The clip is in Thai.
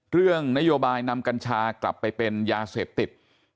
เรื่องนโยบายนำกัญชากลับไปเป็นยาเสพติด